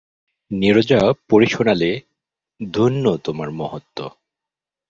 নীরজা পড়ে শোনালে, ধন্য তোমার মহত্ত্ব।